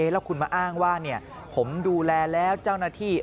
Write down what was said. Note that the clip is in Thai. แล้วคุณมาอ้างว่าผมดูแลแล้วเจ้าหน้าที่